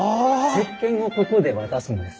せっけんをここで渡すんです。